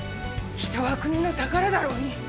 人は国の宝だろうに。